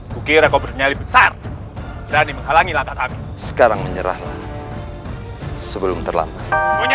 kukira kau bernyali besar berani menghalangi langkah kami sekarang menyerahlah sebelum terlambat